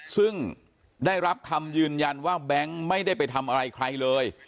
ซึ่งได้รับคำยืนยันว่าแบงค์ไม่ได้ไปทำอะไรใครเลย